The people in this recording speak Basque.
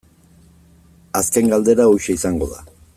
Azken galdera hauxe izango da.